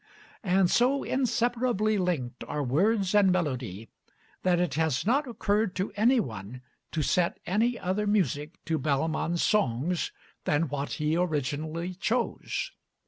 And so inseparably linked are words and melody, that it has not occurred to any one to set any other music to Bellman's songs than what he originally chose.